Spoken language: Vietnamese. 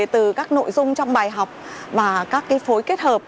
từ các nội dung trong bài học và các phối kết hợp